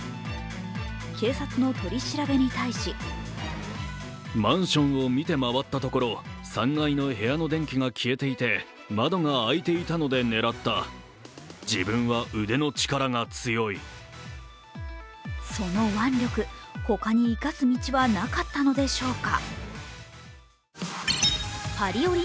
警察の取り調べに対しその腕力、他に生かす道はなかったのでしょうか。